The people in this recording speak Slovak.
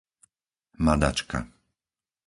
Madačka